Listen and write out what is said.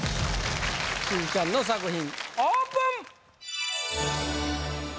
しずちゃんの作品オープン！